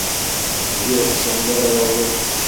Теге Шәңгәрәй алйот...